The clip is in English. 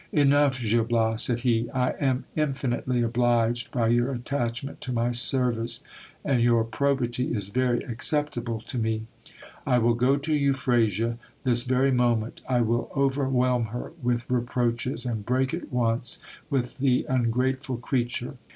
Enough, Gil Bias, said he, I am infinitely obliged by your attachment to my sen ice, and your probity is very acceptable to me. I will go to Euphrasia this very moment I will overwhelm her with reproaches, and break at once with the ungrateful creature.